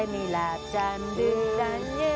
โอเคหลับเพื่อนเต็มที่